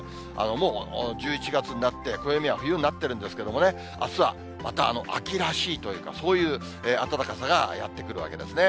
もう１１月になって、暦は冬になってるんですけれどもね、あすはまた秋らしいというか、そういう暖かさがやって来るわけですね。